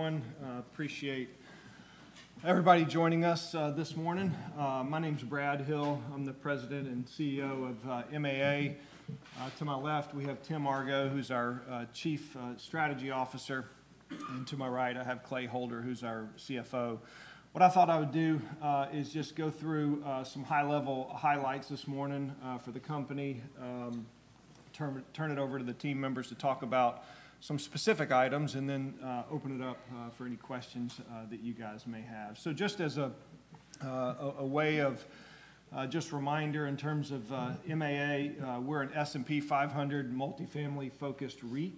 All right. Good morning, everyone. Appreciate everybody joining us this morning. My name is Brad Hill. I'm the President and CEO of MAA. To my left, we have Tim Argo, who's our Chief Strategy Officer. To my right, I have Clay Holder, who's our CFO. What I thought I would do is just go through some high-level highlights this morning for the company, turn it over to the team members to talk about some specific items, and then open it up for any questions that you guys may have. Just as a way of reminder, in terms of MAA, we're an S&P 500 multifamily-focused REIT.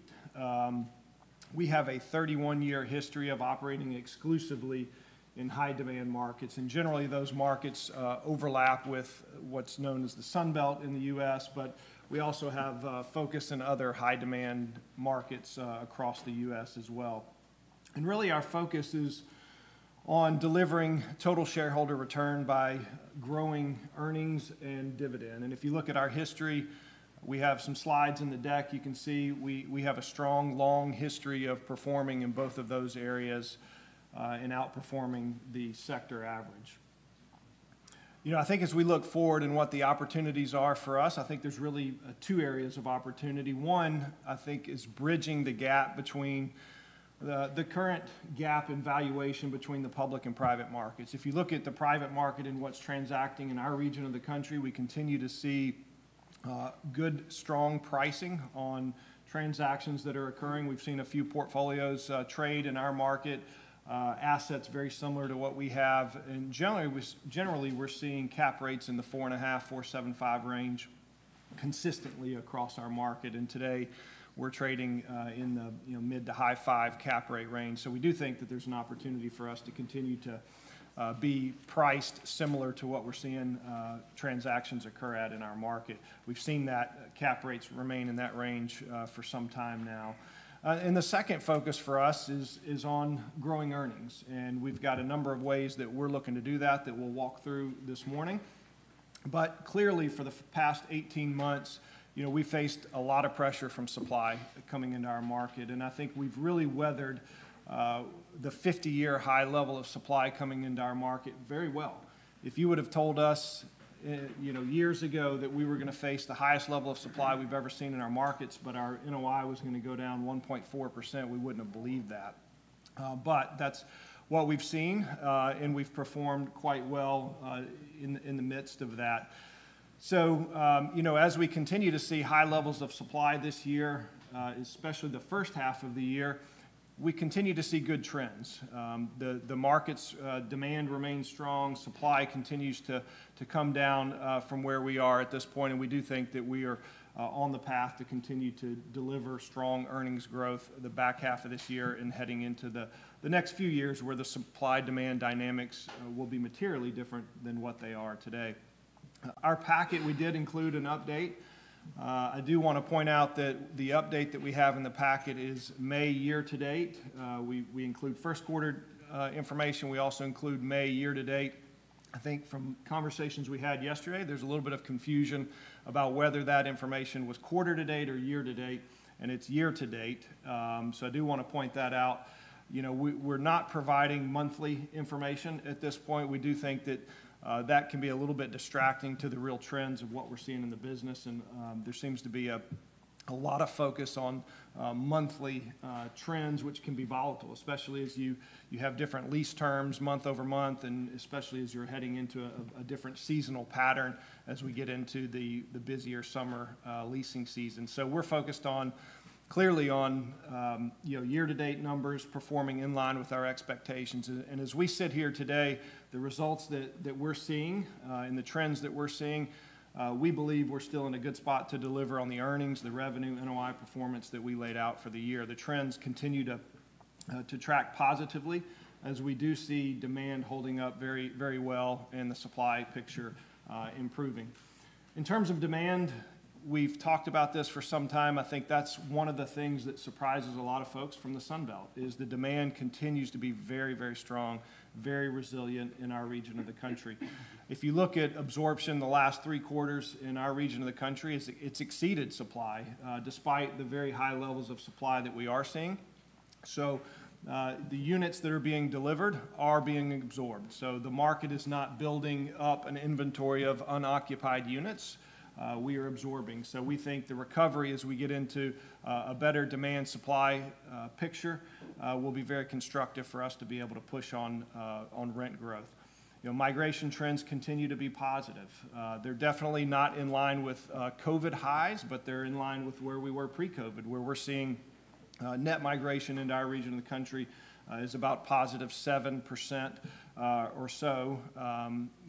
We have a 31-year history of operating exclusively in high-demand markets. Generally, those markets overlap with what's known as the Sun Belt in the U.S. We also have focus in other high-demand markets across the U.S. as well. Our focus is on delivering total shareholder return by growing earnings and dividend. If you look at our history, we have some slides in the deck. You can see we have a strong, long history of performing in both of those areas and outperforming the sector average. You know, I think as we look forward and what the opportunities are for us, I think there are really two areas of opportunity. One, I think, is bridging the gap between the current gap in valuation between the public and private markets. If you look at the private market and what is transacting in our region of the country, we continue to see good, strong pricing on transactions that are occurring. We have seen a few portfolios trade in our market, assets very similar to what we have. Generally, we're seeing cap rates in the 4.5%-4.75% range consistently across our market. Today, we're trading in the mid to high 5% cap rate range. We do think that there's an opportunity for us to continue to be priced similar to what we're seeing transactions occur at in our market. We've seen that cap rates remain in that range for some time now. The second focus for us is on growing earnings. We've got a number of ways that we're looking to do that that we'll walk through this morning. Clearly, for the past 18 months, you know, we've faced a lot of pressure from supply coming into our market. I think we've really weathered the 50-year high level of supply coming into our market very well. If you would have told us years ago that we were going to face the highest level of supply we've ever seen in our markets, but our NOI was going to go down 1.4%, we wouldn't have believed that. But that's what we've seen. And we've performed quite well in the midst of that. So, you know, as we continue to see high levels of supply this year, especially the first half of the year, we continue to see good trends. The market's demand remains strong. Supply continues to come down from where we are at this point. And we do think that we are on the path to continue to deliver strong earnings growth the back half of this year and heading into the next few years where the supply-demand dynamics will be materially different than what they are today. Our packet, we did include an update. I do want to point out that the update that we have in the packet is May year-to-date. We include first-quarter information. We also include May year-to-date. I think from conversations we had yesterday, there's a little bit of confusion about whether that information was quarter-to-date or year-to-date. And it's year-to-date. I do want to point that out. You know, we're not providing monthly information at this point. We do think that that can be a little bit distracting to the real trends of what we're seeing in the business. There seems to be a lot of focus on monthly trends, which can be volatile, especially as you have different lease terms month over month, and especially as you're heading into a different seasonal pattern as we get into the busier summer leasing season. We're focused on, clearly, on year-to-date numbers performing in line with our expectations. As we sit here today, the results that we're seeing and the trends that we're seeing, we believe we're still in a good spot to deliver on the earnings, the revenue, NOI performance that we laid out for the year. The trends continue to track positively as we do see demand holding up very, very well and the supply picture improving. In terms of demand, we've talked about this for some time. I think that's one of the things that surprises a lot of folks from the Sun Belt is the demand continues to be very, very strong, very resilient in our region of the country. If you look at absorption the last three quarters in our region of the country, it's exceeded supply despite the very high levels of supply that we are seeing. The units that are being delivered are being absorbed. The market is not building up an inventory of unoccupied units. We are absorbing. We think the recovery as we get into a better demand-supply picture will be very constructive for us to be able to push on rent growth. You know, migration trends continue to be positive. They are definitely not in line with COVID highs, but they are in line with where we were pre-COVID, where we are seeing net migration into our region of the country is about positive 7% or so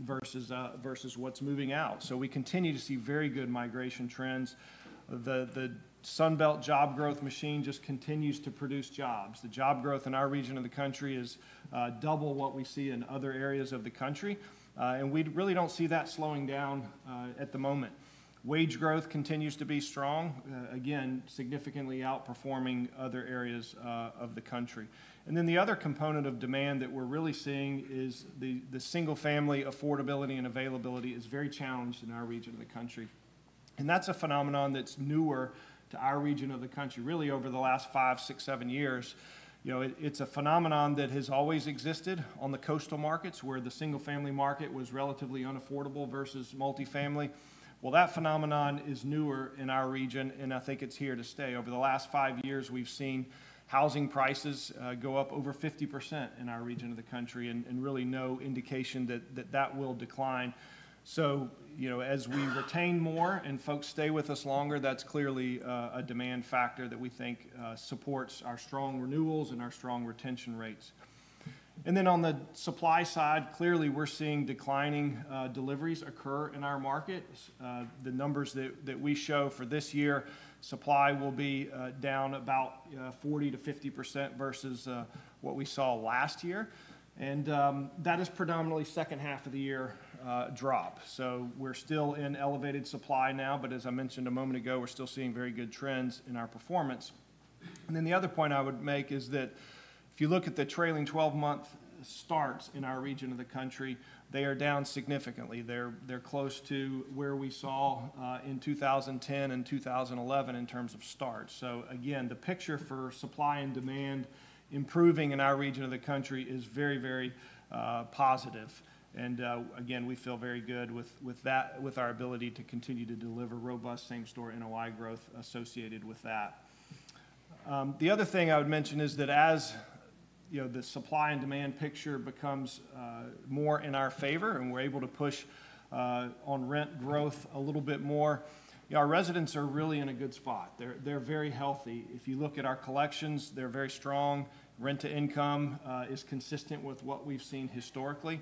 versus what is moving out. We continue to see very good migration trends. The Sun Belt job growth machine just continues to produce jobs. The job growth in our region of the country is double what we see in other areas of the country. We really do not see that slowing down at the moment. Wage growth continues to be strong, again, significantly outperforming other areas of the country. The other component of demand that we're really seeing is the single-family affordability and availability is very challenged in our region of the country. That's a phenomenon that's newer to our region of the country, really, over the last five, six, seven years. You know, it's a phenomenon that has always existed on the coastal markets, where the single-family market was relatively unaffordable versus multifamily. That phenomenon is newer in our region, and I think it's here to stay. Over the last five years, we've seen housing prices go up over 50% in our region of the country and really no indication that that will decline. You know, as we retain more and folks stay with us longer, that is clearly a demand factor that we think supports our strong renewals and our strong retention rates. On the supply side, clearly, we are seeing declining deliveries occur in our market. The numbers that we show for this year, supply will be down about 40%-50% versus what we saw last year. That is predominantly a second half of the year drop. We are still in elevated supply now. As I mentioned a moment ago, we are still seeing very good trends in our performance. The other point I would make is that if you look at the trailing 12-month starts in our region of the country, they are down significantly. They are close to where we saw in 2010 and 2011 in terms of starts. Again, the picture for supply and demand improving in our region of the country is very, very positive. We feel very good with that, with our ability to continue to deliver robust same-store NOI growth associated with that. The other thing I would mention is that as, you know, the supply and demand picture becomes more in our favor and we're able to push on rent growth a little bit more, our residents are really in a good spot. They're very healthy. If you look at our collections, they're very strong. Rent-to-income is consistent with what we've seen historically.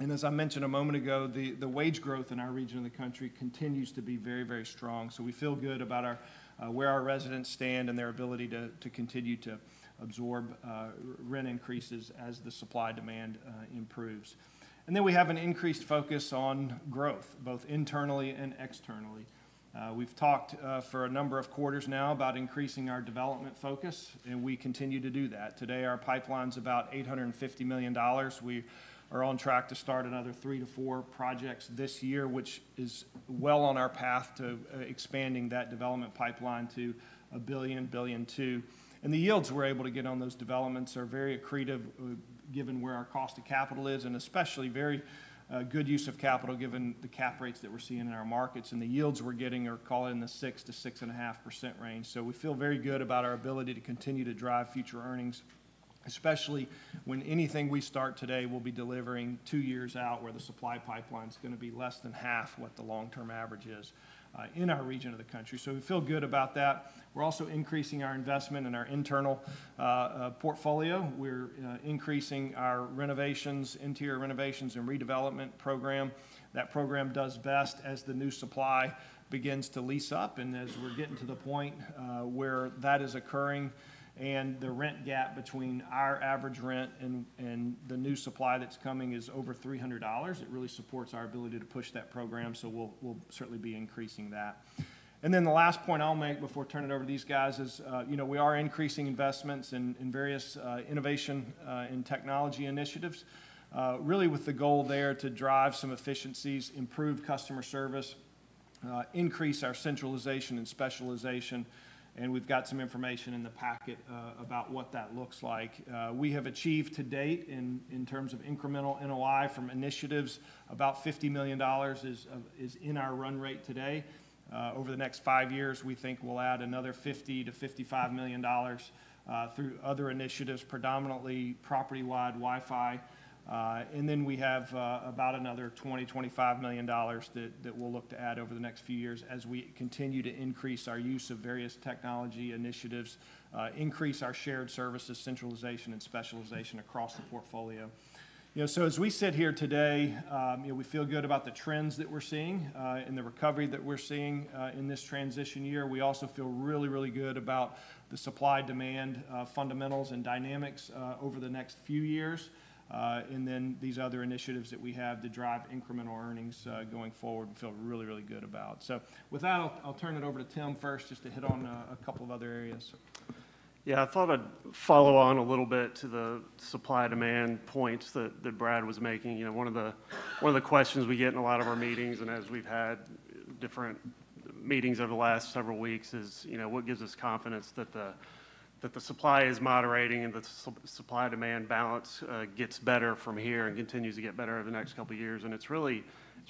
As I mentioned a moment ago, the wage growth in our region of the country continues to be very, very strong. We feel good about where our residents stand and their ability to continue to absorb rent increases as the supply-demand improves. We have an increased focus on growth, both internally and externally. We have talked for a number of quarters now about increasing our development focus. We continue to do that. Today, our pipeline is about $850 million. We are on track to start another three to four projects this year, which is well on our path to expanding that development pipeline to $1 billion-$1.2 billion. The yields we are able to get on those developments are very accretive, given where our cost of capital is, and especially a very good use of capital, given the cap rates that we are seeing in our markets. The yields we are getting are in the 6%-6.5% range. We feel very good about our ability to continue to drive future earnings, especially when anything we start today will be delivering two years out, where the supply pipeline's going to be less than half what the long-term average is in our region of the country. We feel good about that. We're also increasing our investment in our internal portfolio. We're increasing our renovations, interior renovations and redevelopment program. That program does best as the new supply begins to lease up. As we're getting to the point where that is occurring and the rent gap between our average rent and the new supply that's coming is over $300, it really supports our ability to push that program. We'll certainly be increasing that. The last point I'll make before I turn it over to these guys is, you know, we are increasing investments in various innovation and technology initiatives, really with the goal there to drive some efficiencies, improve customer service, increase our centralization and specialization. We have got some information in the packet about what that looks like. We have achieved to date, in terms of incremental NOI from initiatives, about $50 million is in our run rate today. Over the next five years, we think we will add another $50million-$55 million through other initiatives, predominantly property-wide Wi-Fi. We have about another $20million-$25 million that we will look to add over the next few years as we continue to increase our use of various technology initiatives, increase our shared services, centralization, and specialization across the portfolio. You know, as we sit here today, you know, we feel good about the trends that we're seeing and the recovery that we're seeing in this transition year. We also feel really, really good about the supply-demand fundamentals and dynamics over the next few years. These other initiatives that we have to drive incremental earnings going forward, we feel really, really good about. With that, I'll turn it over to Tim first just to hit on a couple of other areas. Yeah, I thought I'd follow on a little bit to the supply-demand points that Brad was making. You know, one of the questions we get in a lot of our meetings, and as we've had different meetings over the last several weeks, is, you know, what gives us confidence that the supply is moderating and the supply-demand balance gets better from here and continues to get better over the next couple of years? It's really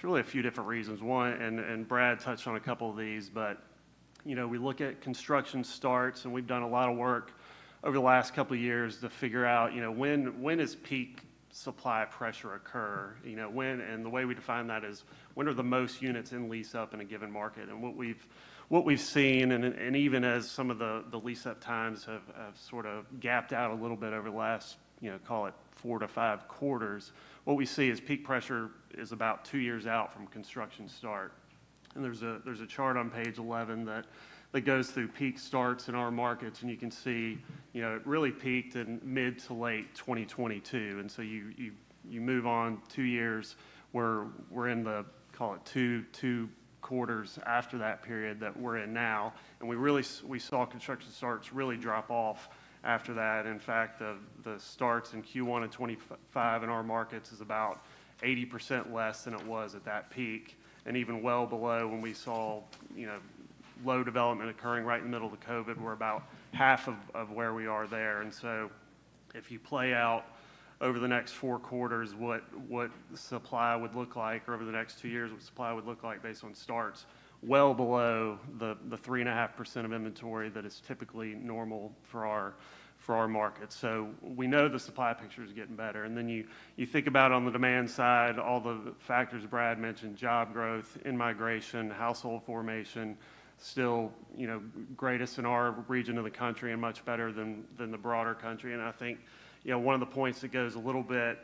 a few different reasons. One, and Brad touched on a couple of these, but, you know, we look at construction starts, and we've done a lot of work over the last couple of years to figure out, you know, when does peak supply pressure occur? You know, when? The way we define that is when are the most units in lease-up in a given market? What we have seen, and even as some of the lease-up times have sort of gapped out a little bit over the last, you know, call it four to five quarters, what we see is peak pressure is about two years out from construction start. There is a chart on page 11 that goes through peak starts in our markets. You can see, you know, it really peaked in mid to late 2022. You move on two years where we are in the, call it, two quarters after that period that we are in now. We really saw construction starts really drop off after that. In fact, the starts in Q1 of 2025 in our markets is about 80% less than it was at that peak and even well below when we saw, you know, low development occurring right in the middle of the COVID. We're about half of where we are there. If you play out over the next four quarters what supply would look like, or over the next two years what supply would look like based on starts, well below the 3.5% of inventory that is typically normal for our markets. We know the supply picture is getting better. You think about on the demand side, all the factors Brad mentioned: job growth, immigration, household formation, still, you know, greatest in our region of the country and much better than the broader country. I think, you know, one of the points that goes a little bit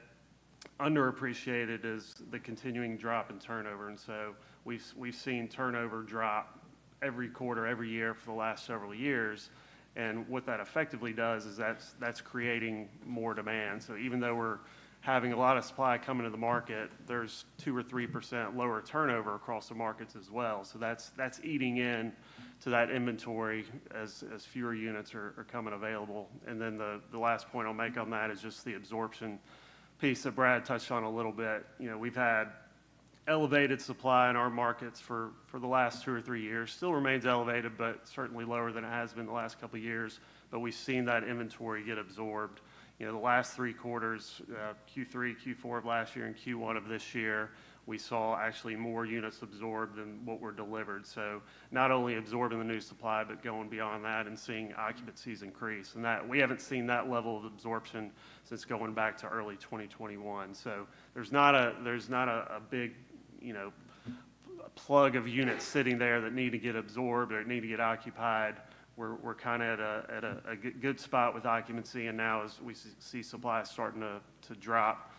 underappreciated is the continuing drop in turnover. We've seen turnover drop every quarter, every year for the last several years. What that effectively does is that's creating more demand. Even though we're having a lot of supply coming to the market, there's 2%-3% lower turnover across the markets as well. That's eating into that inventory as fewer units are coming available. The last point I'll make on that is just the absorption piece that Brad touched on a little bit. You know, we've had elevated supply in our markets for the last two or three years. Still remains elevated, but certainly lower than it has been the last couple of years. We've seen that inventory get absorbed. The last three quarters, Q3, Q4 of last year and Q1 of this year, we saw actually more units absorbed than what were delivered. Not only absorbing the new supply, but going beyond that and seeing occupancies increase. We have not seen that level of absorption since going back to early 2021. There is not a big, you know, plug of units sitting there that need to get absorbed or need to get occupied. We are kind of at a good spot with occupancy. Now as we see supply starting to drop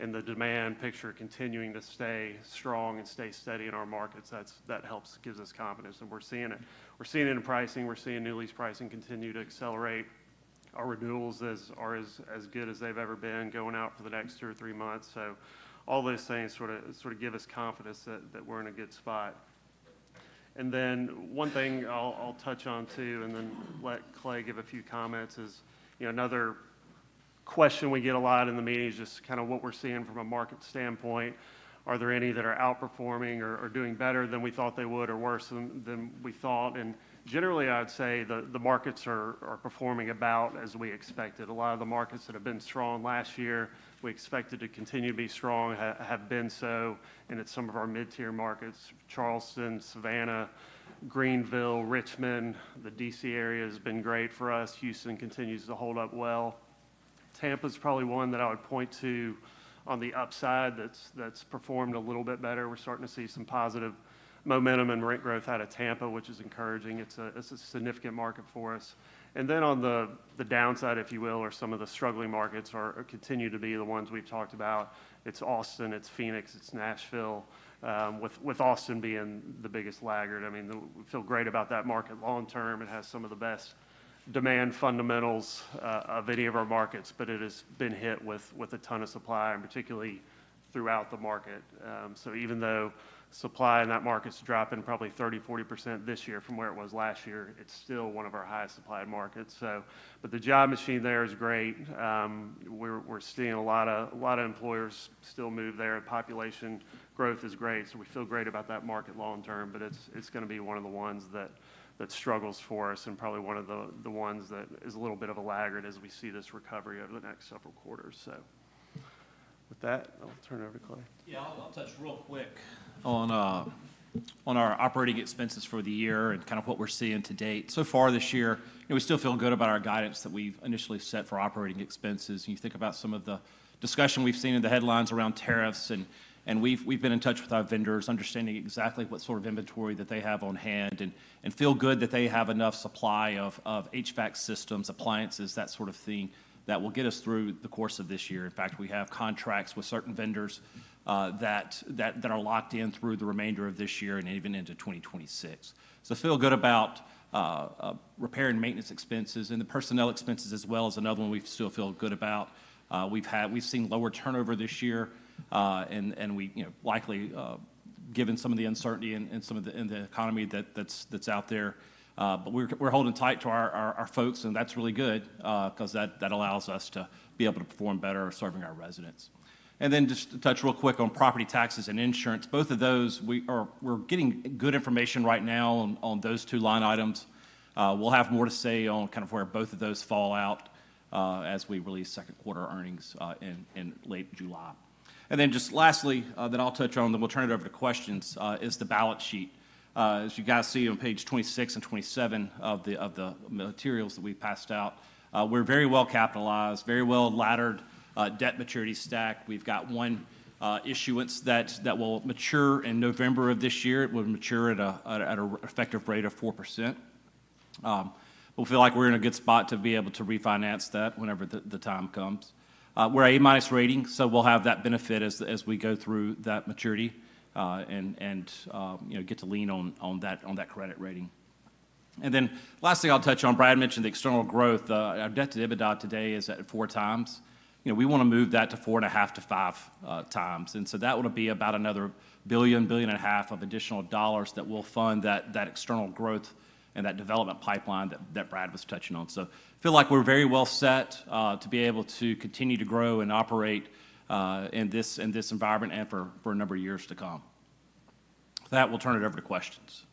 and the demand picture continuing to stay strong and stay steady in our markets, that helps, gives us confidence. We are seeing it. We are seeing it in pricing. We are seeing new lease pricing continue to accelerate. Our renewals are as good as they have ever been going out for the next two or three months. All those things sort of give us confidence that we are in a good spot. One thing I'll touch on too, and then let Clay give a few comments, is, you know, another question we get a lot in the meeting is just kind of what we're seeing from a market standpoint. Are there any that are outperforming or doing better than we thought they would or worse than we thought? Generally, I'd say the markets are performing about as we expected. A lot of the markets that have been strong last year, we expected to continue to be strong, have been so. It's some of our mid-tier markets: Charleston, Savannah, Greenville, Richmond. The D.C. area has been great for us. Houston continues to hold up well. Tampa's probably one that I would point to on the upside that's performed a little bit better. We're starting to see some positive momentum in rent growth out of Tampa, which is encouraging. It's a significant market for us. On the downside, if you will, or some of the struggling markets continue to be the ones we've talked about, it's Austin, it's Phoenix, it's Nashville, with Austin being the biggest laggard. I mean, we feel great about that market long term. It has some of the best demand fundamentals of any of our markets, but it has been hit with a ton of supply, and particularly throughout the market. Even though supply in that market's dropping probably 30%-40% this year from where it was last year, it's still one of our highest supplied markets. The job machine there is great. We're seeing a lot of employers still move there. Population growth is great. We feel great about that market long term. It is going to be one of the ones that struggles for us and probably one of the ones that is a little bit of a laggard as we see this recovery over the next several quarters. With that, I'll turn it over to Clay. Yeah, I'll touch real quick on our operating expenses for the year and kind of what we're seeing to date. So far this year, you know, we still feel good about our guidance that we've initially set for operating expenses. You think about some of the discussion we've seen in the headlines around tariffs. We've been in touch with our vendors, understanding exactly what sort of inventory that they have on hand and feel good that they have enough supply of HVAC systems, appliances, that sort of thing that will get us through the course of this year. In fact, we have contracts with certain vendors that are locked in through the remainder of this year and even into 2026. So feel good about repair and maintenance expenses and the personnel expenses, as well as another one we still feel good about. We've seen lower turnover this year. And we, you know, likely, given some of the uncertainty in the economy that's out there. But we're holding tight to our folks. And that's really good because that allows us to be able to perform better serving our residents. And then just to touch real quick on property taxes and insurance, both of those, we're getting good information right now on those two line items. We'll have more to say on kind of where both of those fall out as we release second quarter earnings in late July. Lastly, then I'll touch on, then we'll turn it over to questions, is the balance sheet. As you guys see on page 26 and 27 of the materials that we've passed out, we're very well capitalized, very well laddered debt maturity stack. We've got one issuance that will mature in November of this year. It will mature at an effective rate of 4%. We feel like we're in a good spot to be able to refinance that whenever the time comes. We're an A-rating, so we'll have that benefit as we go through that maturity and, you know, get to lean on that credit rating. Lastly, I'll touch on, Brad mentioned the external growth. Our debt to EBITDA today is at four times. You know, we want to move that to four and a half to five times. That would be about another $1 billion-$1.5 billion of additional dollars that will fund that external growth and that development pipeline that Brad was touching on. I feel like we're very well set to be able to continue to grow and operate in this environment and for a number of years to come. With that, we'll turn it over to questions.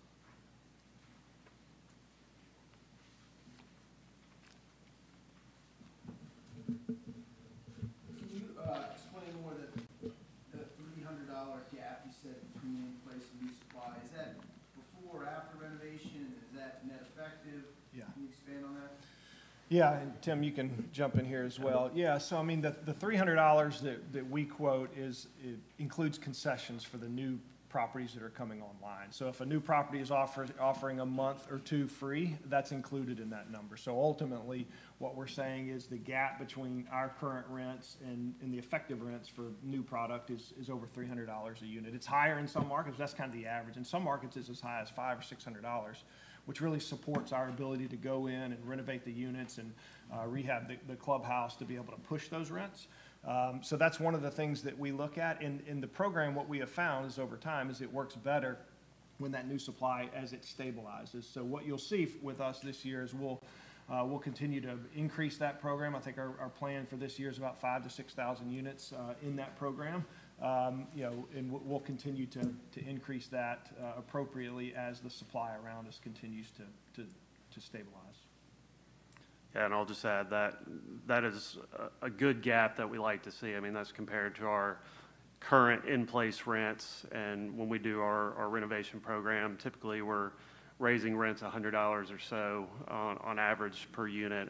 Can you explain more that $300 gap you said between in place and new supply, is that before or after renovation? Is that net effective? Can you expand on that? Yeah. And Tim, you can jump in here as well. Yeah. The $300 that we quote includes concessions for the new properties that are coming online. If a new property is offering a month or two free, that's included in that number. Ultimately, what we're saying is the gap between our current rents and the effective rents for new product is over $300 a unit. It's higher in some markets. That's kind of the average. In some markets, it's as high as $500-$600, which really supports our ability to go in and renovate the units and rehab the clubhouse to be able to push those rents. That's one of the things that we look at. In the program, what we have found is over time is it works better when that new supply, as it stabilizes. What you'll see with us this year is we'll continue to increase that program. I think our plan for this year is about 5,000-6,000 units in that program. You know, and we'll continue to increase that appropriately as the supply around us continues to stabilize. Yeah. I'll just add that that is a good gap that we like to see. I mean, that's compared to our current in place rents. When we do our renovation program, typically we're raising rents $100 or so on average per unit.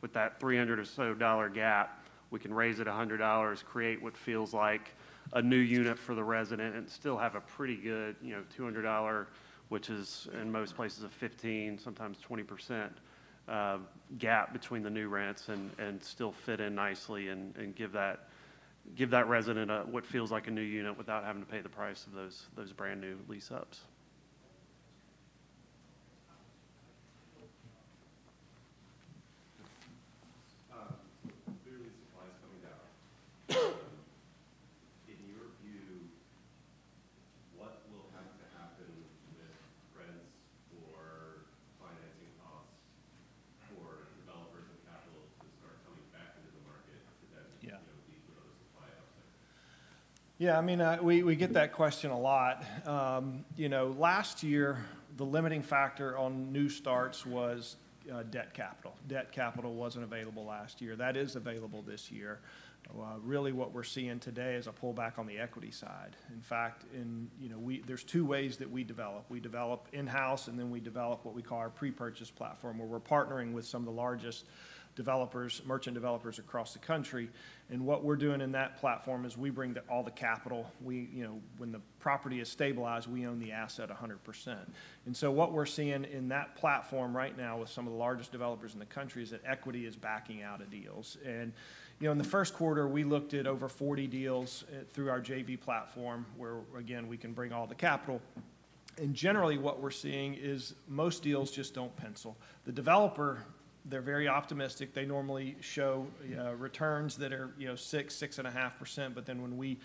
With that $300 or so gap, we can raise it $100, create what feels like a new unit for the resident, and still have a pretty good, you know, $200, which is in most places a 15%-20% gap between the new rents and still fit in nicely and give that resident what feels like a new unit without having to pay the price of those brand new lease-ups. Clearly, supply is coming down. In your view, what will have to happen with rents or financing costs for developers and capital to start coming back into the market to then, you know, lead to other supply upside? Yeah. I mean, we get that question a lot. You know, last year, the limiting factor on new starts was debt capital. Debt capital was not available last year. That is available this year. Really, what we are seeing today is a pullback on the equity side. In fact, in, you know, there are two ways that we develop. We develop in-house, and then we develop what we call our pre-purchase platform, where we are partnering with some of the largest developers, merchant developers across the country. What we are doing in that platform is we bring all the capital. You know, when the property is stabilized, we own the asset 100%. What we are seeing in that platform right now with some of the largest developers in the country is that equity is backing out of deals. You know, in the first quarter, we looked at over 40 deals through our JV platform where, again, we can bring all the capital. Generally, what we are seeing is most deals just do not pencil. The developer, they are very optimistic. They normally show returns that are, you know, 6-6.5%. But then when we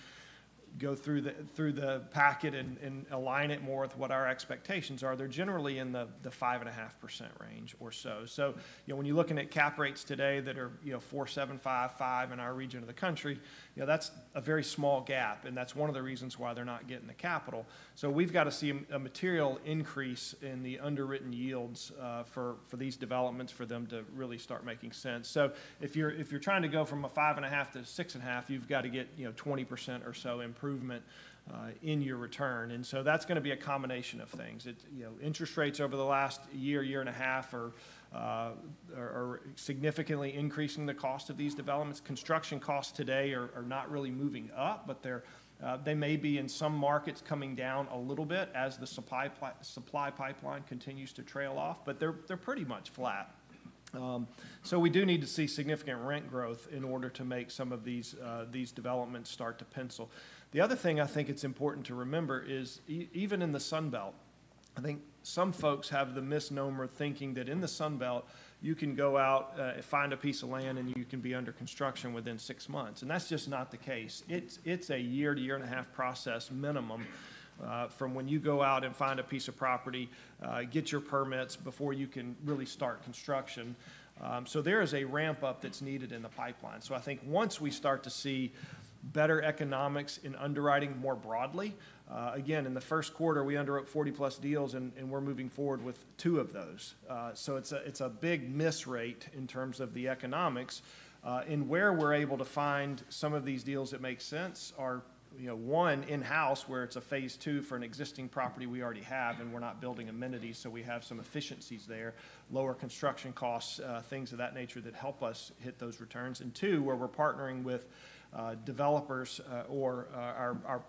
go through the packet and align it more with what our expectations are, they are generally in the 5.5% range or so. You know, when you are looking at cap rates today that are, you know, 4.75-5.5% in our region of the country, that is a very small gap. That is one of the reasons why they are not getting the capital. We've got to see a material increase in the underwritten yields for these developments for them to really start making sense. If you're trying to go from a 5.5% to 6.5%, you've got to get, you know, 20% or so improvement in your return. That's going to be a combination of things. You know, interest rates over the last year, year and a half are significantly increasing the cost of these developments. Construction costs today are not really moving up, but they may be in some markets coming down a little bit as the supply pipeline continues to trail off, but they're pretty much flat. We do need to see significant rent growth in order to make some of these developments start to pencil. The other thing I think it's important to remember is even in the Sun Belt, I think some folks have the misnomer thinking that in the Sun Belt, you can go out, find a piece of land, and you can be under construction within six months. That's just not the case. It's a year to year and a half process minimum from when you go out and find a piece of property, get your permits before you can really start construction. There is a ramp up that's needed in the pipeline. I think once we start to see better economics in underwriting more broadly, again, in the first quarter, we underwrote 40-plus deals, and we're moving forward with two of those. It's a big miss rate in terms of the economics. Where we're able to find some of these deals that make sense are, you know, one, in-house where it's a phase two for an existing property we already have, and we're not building amenities, so we have some efficiencies there, lower construction costs, things of that nature that help us hit those returns. Two, where we're partnering with developers or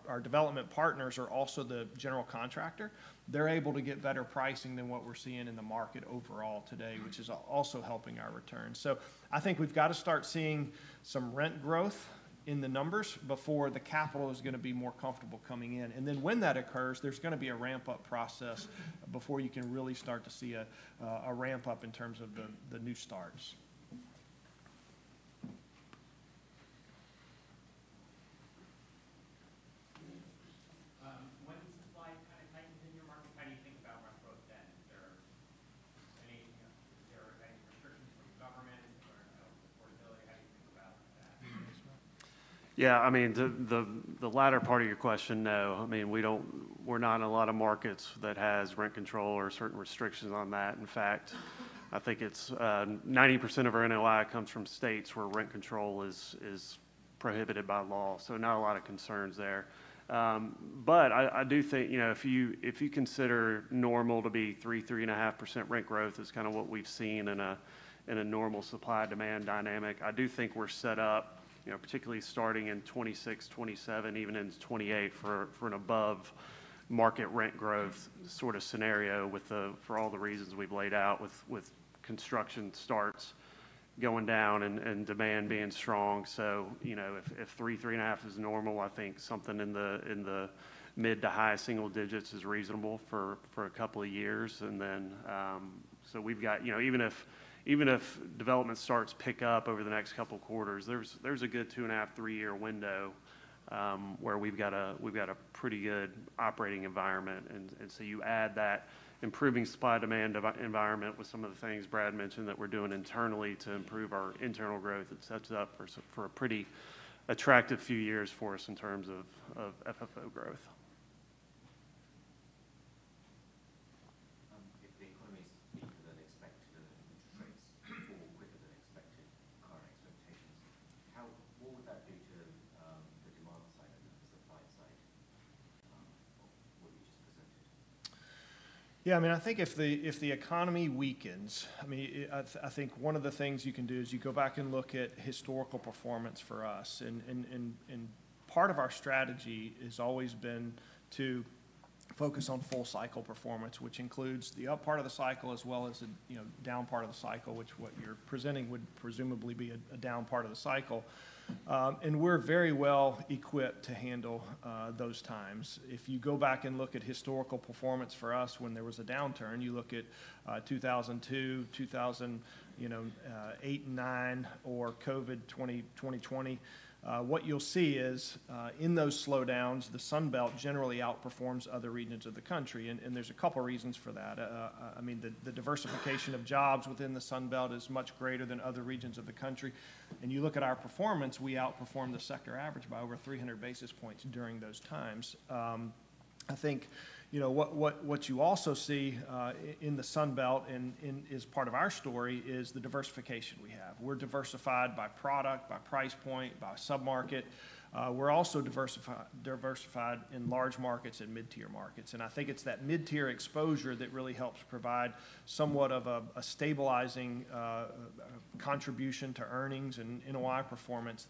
our development partners or also the general contractor, they're able to get better pricing than what we're seeing in the market overall today, which is also helping our returns. I think we've got to start seeing some rent growth in the numbers before the capital is going to be more comfortable coming in. When that occurs, there's going to be a ramp up process before you can really start to see a ramp up in terms of the new starts. When supply kind of tightens in your market, how do you think about rent growth then? Is there any restrictions from the government or affordability? How do you think about that? Yeah. I mean, the latter part of your question, no. I mean, we do not, we are not in a lot of markets that have rent control or certain restrictions on that. In fact, I think it is 90% of our NOI comes from states where rent control is prohibited by law. So not a lot of concerns there. I do think, you know, if you consider normal to be 3-3.5% rent growth is kind of what we've seen in a normal supply demand dynamic, I do think we're set up, you know, particularly starting in 2026, 2027, even in 2028 for an above market rent growth sort of scenario with, for all the reasons we've laid out, with construction starts going down and demand being strong. You know, if 3-3.5% is normal, I think something in the mid to high single digits is reasonable for a couple of years. We've got, you know, even if development starts to pick up over the next couple of quarters, there's a good two and a half, three year window where we've got a pretty good operating environment. You add that improving supply demand environment with some of the things Brad mentioned that we are doing internally to improve our internal growth. It sets up for a pretty attractive few years for us in terms of FFO growth. If the economy is deeper than expected, interest rates fall quicker than expected, current expectations, how, what would that do to the demand side and the supply side of what you just presented? Yeah. I mean, I think if the economy weakens, I mean, I think one of the things you can do is you go back and look at historical performance for us. Part of our strategy has always been to focus on full cycle performance, which includes the up part of the cycle as well as the down part of the cycle, which what you are presenting would presumably be a down part of the cycle. We're very well equipped to handle those times. If you go back and look at historical performance for us when there was a downturn, you look at 2002, 2008, 2009, or COVID, 2020, what you'll see is in those slowdowns, the Sun Belt generally outperforms other regions of the country. There's a couple of reasons for that. I mean, the diversification of jobs within the Sun Belt is much greater than other regions of the country. You look at our performance, we outperform the sector average by over 300 basis points during those times. I think, you know, what you also see in the Sun Belt and is part of our story is the diversification we have. We're diversified by product, by price point, by submarket. We're also diversified in large markets and mid-tier markets. I think it's that mid-tier exposure that really helps provide somewhat of a stabilizing contribution to earnings and NOI performance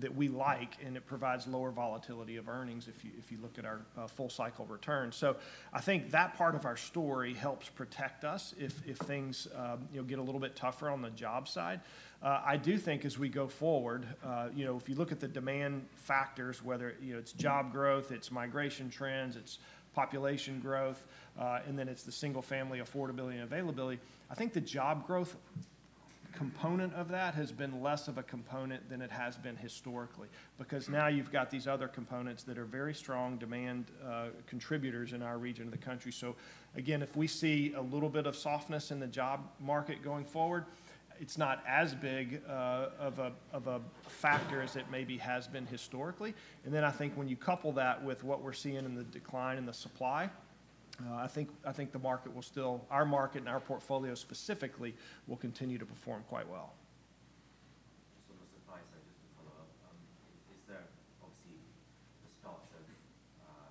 that we like, and it provides lower volatility of earnings if you look at our full cycle return. I think that part of our story helps protect us if things, you know, get a little bit tougher on the job side. I do think as we go forward, you know, if you look at the demand factors, whether, you know, it's job growth, it's migration trends, it's population growth, and then it's the single family affordability and availability, I think the job growth component of that has been less of a component than it has been historically. Because now you've got these other components that are very strong demand contributors in our region of the country. If we see a little bit of softness in the job market going forward, it's not as big of a factor as it maybe has been historically. I think when you couple that with what we're seeing in the decline in the supply, I think the market will still, our market and our portfolio specifically will continue to perform quite well. The supply side, just to follow up, is there obviously the stocks have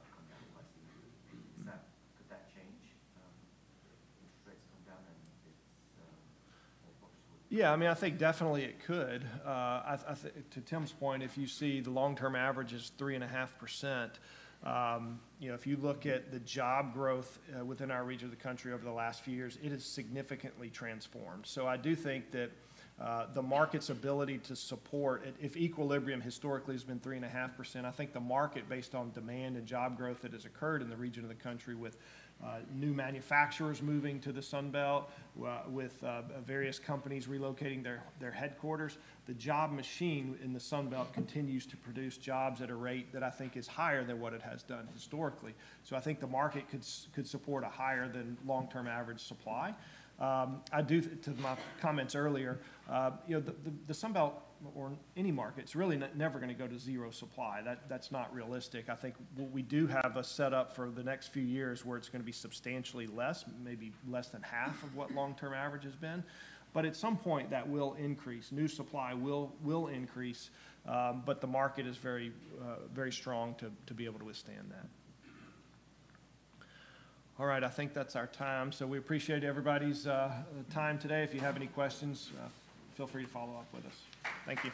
come down quite significantly. Is that, could that change if interest rates come down and it's more forceful? Yeah. I mean, I think definitely it could. To Tim's point, if you see the long-term average is 3.5%, you know, if you look at the job growth within our region of the country over the last few years, it has significantly transformed. I do think that the market's ability to support, if equilibrium historically has been 3.5%, I think the market based on demand and job growth that has occurred in the region of the country with new manufacturers moving to the Sun Belt, with various companies relocating their headquarters, the job machine in the Sun Belt continues to produce jobs at a rate that I think is higher than what it has done historically. I think the market could support a higher than long-term average supply. I do, to my comments earlier, you know, the Sun Belt or any market's really never going to go to zero supply. That's not realistic. I think we do have a setup for the next few years where it's going to be substantially less, maybe less than half of what long-term average has been. At some point, that will increase. New supply will increase. The market is very strong to be able to withstand that. All right. I think that's our time. We appreciate everybody's time today. If you have any questions, feel free to follow up with us. Thank you.